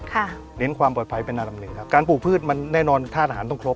เน้นความปลอดภัยเป็นอันดับหนึ่งครับการปลูกพืชมันแน่นอนธาตุอาหารต้องครบ